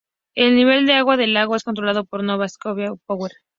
El nivel de agua del lago es controlado por "Nova Scotia Power".